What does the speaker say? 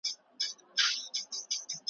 ملا دا نه ویل چي زموږ خو بې روژې روژه ده `